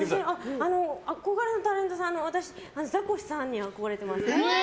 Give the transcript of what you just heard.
憧れのタレントさんザコシさんに憧れてます。